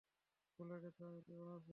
ভুলে গেছ আমি কেমন আছি?